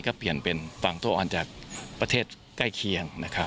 ก็เปลี่ยนเป็นฝั่งโตอร์ออกจากประเทศใกล้เคียง